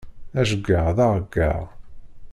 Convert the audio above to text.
Aceggeɛ d aṛeggeɛ.